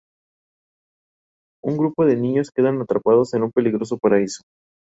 Es seguidor del Grêmio de Porto Alegre, y asesor del club durante muchos años.